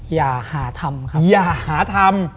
อย่าหาธรรม